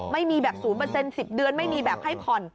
ไม่มีแบบ๐๑๐เดือนไม่มีแบบให้ผ่อน